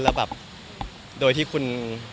แล้วแบบโดยที่คุณ